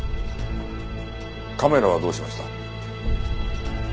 カメラはどうしました？